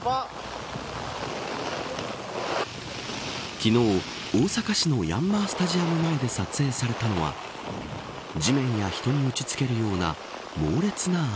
昨日、大阪市のヤンマースタジアム前で撮影されたのは地面や人に打ちつけるような猛烈な雨。